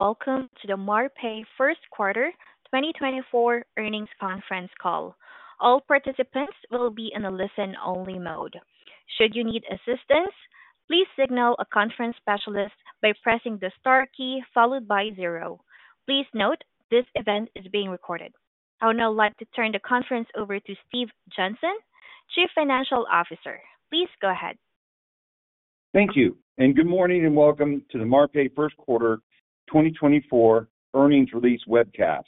Welcome to the Marpai First Quarter 2024 Earnings Conference Call. All participants will be in a listen-only mode. Should you need assistance, please signal a conference specialist by pressing the star key followed by zero. Please note, this event is being recorded. I'll now like to turn the conference over to Steve Johnson, Chief Financial Officer. Please go ahead. Thank you, and good morning and welcome to the Marpai First Quarter 2024 Earnings Release Webcast.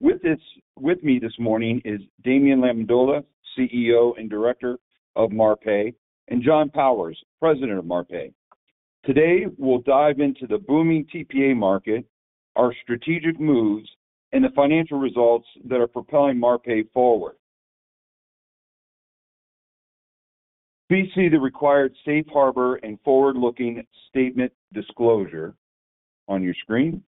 With me this morning is Damien Lamendola, CEO and Director of Marpai, and John Powers, President of Marpai. Today we'll dive into the booming TPA market, our strategic moves, and the financial results that are propelling Marpai forward. Please see the required Safe Harbor and forward-looking statement disclosure on your screen.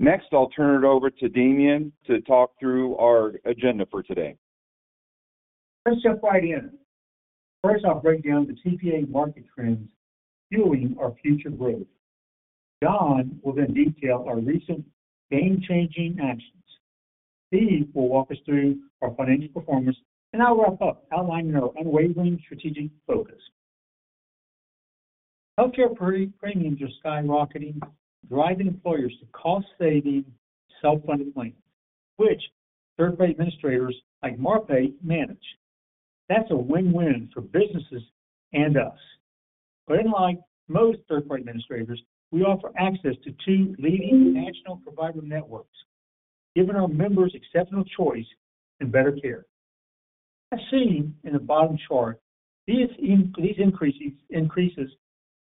Next I'll turn it over to Damien to talk through our agenda for today. First I'll break down the TPA market trends fueling our future growth. John will then detail our recent game-changing actions. Steve will walk us through our financial performance, and I'll wrap up outlining our unwavering strategic focus. Healthcare premiums are skyrocketing, driving employers to cost-saving, self-funded plans, which third-party administrators like Marpai manage. That's a win-win for businesses and us. But unlike most third-party administrators, we offer access to two leading national provider networks, giving our members exceptional choice and better care. As seen in the bottom chart,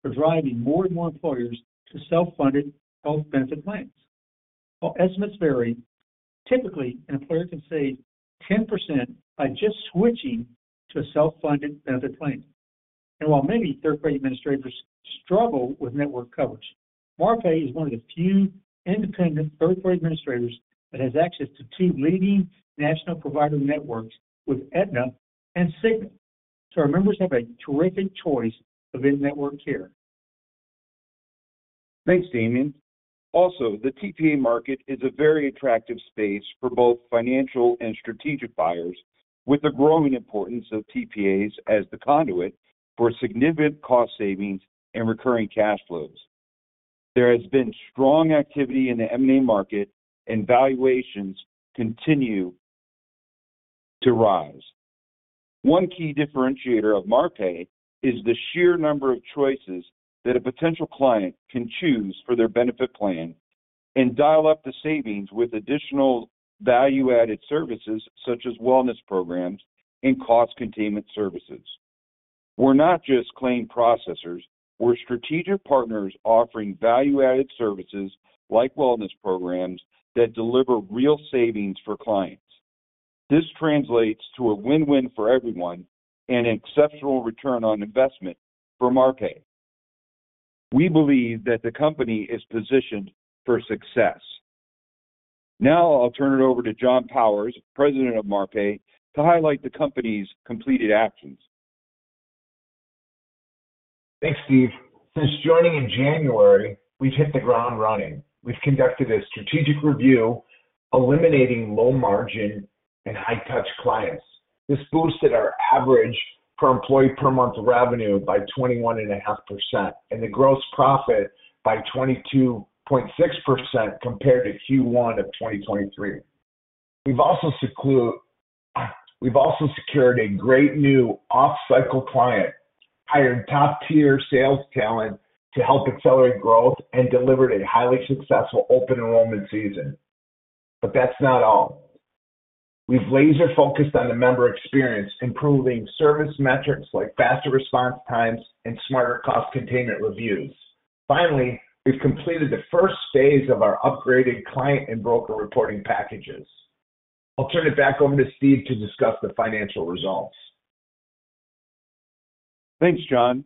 these increases are driving more and more employers to self-funded health benefit plans. While estimates vary, typically an employer can save 10% by just switching to a self-funded benefit plan. While many third-party administrators struggle with network coverage, Marpai is one of the few independent third-party administrators that has access to two leading national provider networks with Aetna and Cigna, so our members have a terrific choice of in-network care. Thanks, Damien. Also, the TPA market is a very attractive space for both financial and strategic buyers, with the growing importance of TPAs as the conduit for significant cost savings and recurring cash flows. There has been strong activity in the M&A market, and valuations continue to rise. One key differentiator of Marpai is the sheer number of choices that a potential client can choose for their benefit plan and dial up the savings with additional value-added services such as wellness programs and cost containment services. We're not just claim processors. We're strategic partners offering value-added services like wellness programs that deliver real savings for clients. This translates to a win-win for everyone and an exceptional return on investment for Marpai. We believe that the company is positioned for success. Now I'll turn it over to John Powers, President of Marpai, to highlight the company's completed actions. Thanks, Steve. Since joining in January, we've hit the ground running. We've conducted a strategic review eliminating low-margin and high-touch clients. This boosted our average per employee per month revenue by 21.5% and the gross profit by 22.6% compared to Q1 of 2023. We've also secured a great new off-cycle client, hired top-tier sales talent to help accelerate growth and delivered a highly successful open enrollment season. But that's not all. We've laser-focused on the member experience, improving service metrics like faster response times and smarter cost containment reviews. Finally, we've completed the first phase of our upgraded client and broker reporting packages. I'll turn it back over to Steve to discuss the financial results. Thanks, John.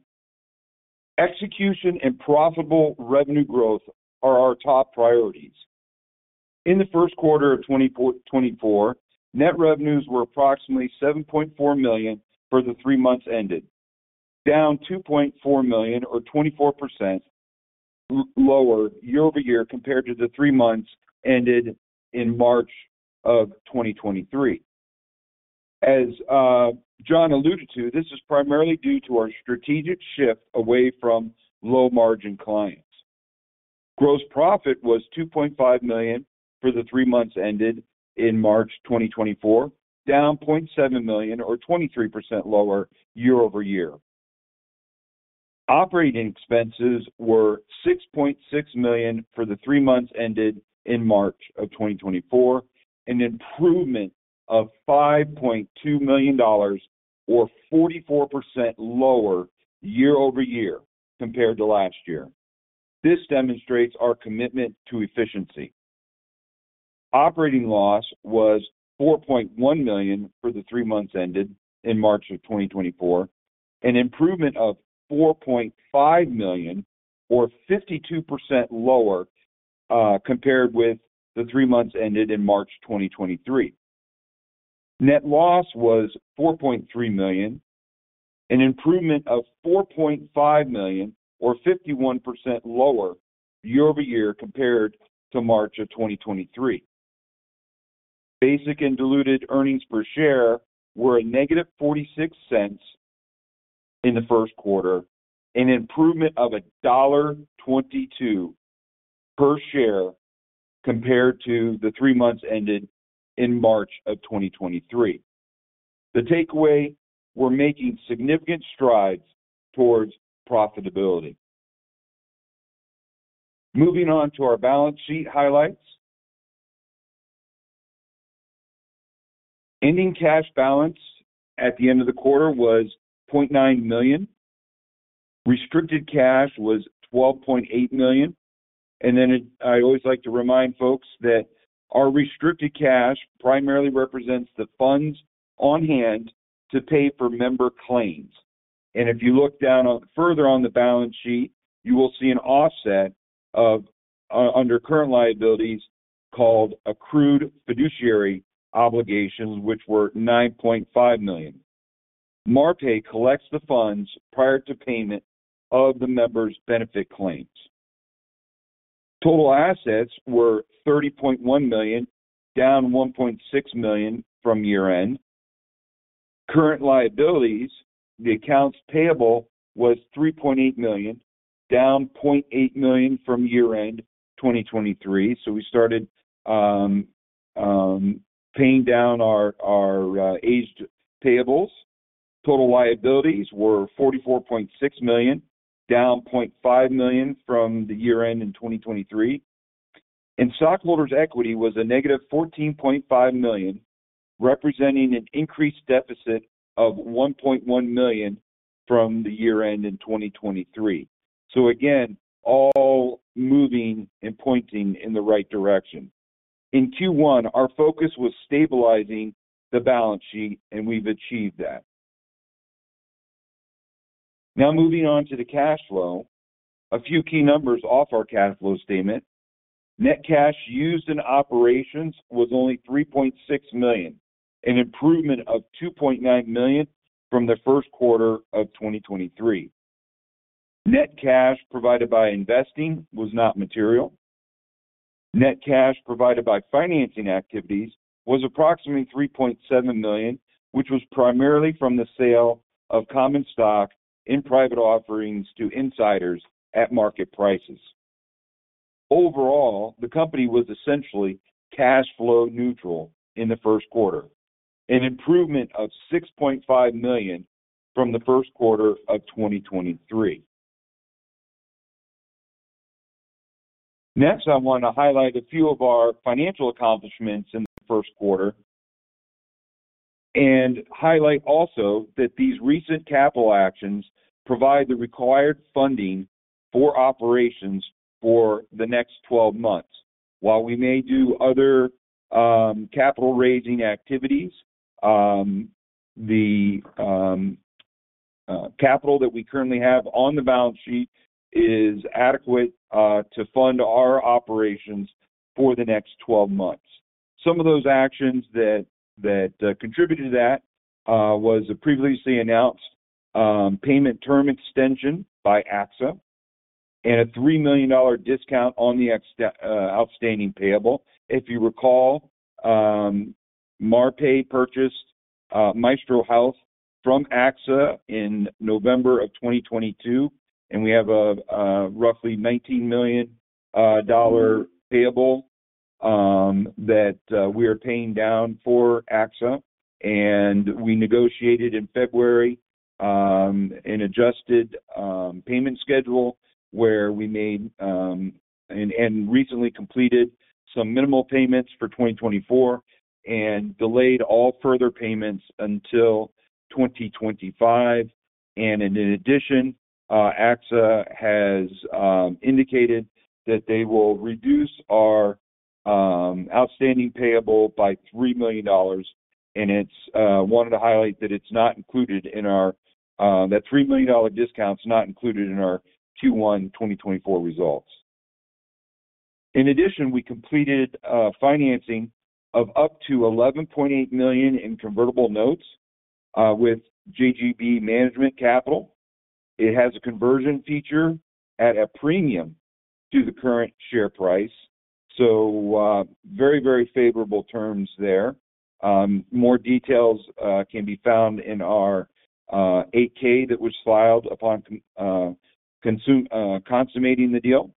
Execution and profitable revenue growth are our top priorities. In the first quarter of 2024, net revenues were approximately $7.4 million for the three months ended, down $2.4 million or 24% lower year-over-year compared to the three months ended in March of 2023. As John alluded to, this is primarily due to our strategic shift away from low-margin clients. Gross profit was $2.5 million for the three months ended in March 2024, down $0.7 million or 23% lower year-over-year. Operating expenses were $6.6 million for the three months ended in March of 2024, an improvement of $5.2 million or 44% lower year-over-year compared to last year. This demonstrates our commitment to efficiency. Operating loss was $4.1 million for the three months ended in March of 2024, an improvement of $4.5 million or 52% lower compared with the three months ended in March 2023. Net loss was $4.3 million, an improvement of $4.5 million or 51% lower year-over-year compared to March of 2023. Basic and diluted earnings per share were a negative $0.46 in the first quarter, an improvement of $1.22 per share compared to the three months ended in March of 2023. The takeaway: we're making significant strides towards profitability. Moving on to our balance sheet highlights. Ending cash balance at the end of the quarter was $0.9 million. Restricted cash was $12.8 million. Then I always like to remind folks that our restricted cash primarily represents the funds on hand to pay for member claims. If you look further on the balance sheet, you will see an offset under current liabilities called accrued fiduciary obligations, which were $9.5 million. Marpai collects the funds prior to payment of the members' benefit claims. Total assets were $30.1 million, down $1.6 million from year-end. Current liabilities, the accounts payable, was $3.8 million, down $0.8 million from year-end 2023. So we started paying down our aged payables. Total liabilities were $44.6 million, down $0.5 million from the year-end in 2023. Stockholders' equity was a negative $14.5 million, representing an increased deficit of $1.1 million from the year-end in 2023. So again, all moving and pointing in the right direction. In Q1, our focus was stabilizing the balance sheet, and we've achieved that. Now moving on to the cash flow, a few key numbers off our cash flow statement. Net cash used in operations was only $3.6 million, an improvement of $2.9 million from the first quarter of 2023. Net cash provided by investing was not material. Net cash provided by financing activities was approximately $3.7 million, which was primarily from the sale of common stock in private offerings to insiders at market prices. Overall, the company was essentially cash flow neutral in the first quarter, an improvement of $6.5 million from the first quarter of 2023. Next, I want to highlight a few of our financial accomplishments in the first quarter and highlight also that these recent capital actions provide the required funding for operations for the next 12 months. While we may do other capital-raising activities, the capital that we currently have on the balance sheet is adequate to fund our operations for the next 12 months. Some of those actions that contributed to that was a previously announced payment term extension by AXA and a $3 million discount on the outstanding payable. If you recall, Marpai purchased Maestro Health from AXA in November of 2022, and we have a roughly $19 million payable that we are paying down for AXA. We negotiated in February an adjusted payment schedule where we made and recently completed some minimal payments for 2024 and delayed all further payments until 2025. In addition, AXA has indicated that they will reduce our outstanding payable by $3 million. I wanted to highlight that it's not included in our $3 million discount's not included in our Q1 2024 results. In addition, we completed financing of up to $11.8 million in convertible notes with JGB Management Capital. It has a conversion feature at a premium to the current share price. Very, very favorable terms there. More details can be found in our 8-K that was filed upon consummating the deal.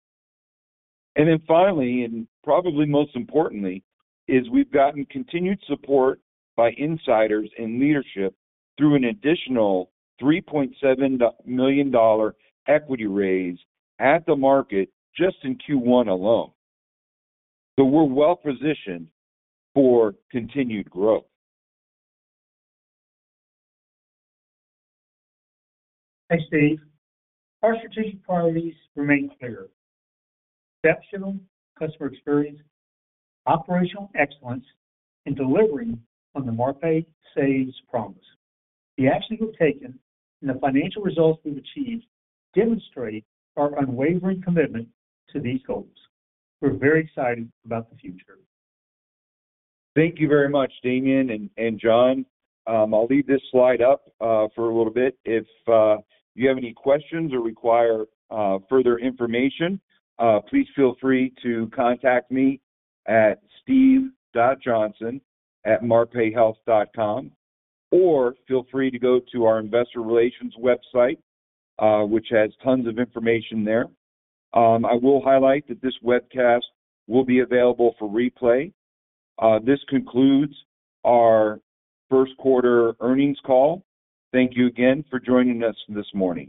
Then finally, and probably most importantly, is we've gotten continued support by insiders and leadership through an additional $3.7 million equity raise at the market just in Q1 alone. We're well positioned for continued growth. Thanks, Steve. Our strategic priorities remain clear: exceptional customer experience, operational excellence, and delivering on the Marpai Saves promise. The actions we've taken and the financial results we've achieved demonstrate our unwavering commitment to these goals. We're very excited about the future. Thank you very much, Damien and John. I'll leave this slide up for a little bit. If you have any questions or require further information, please feel free to contact me at steve.johnson@marpaihealth.com, or feel free to go to our investor relations website, which has tons of information there. I will highlight that this webcast will be available for replay. This concludes our first quarter earnings call. Thank you again for joining us this morning.